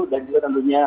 dan juga tentunya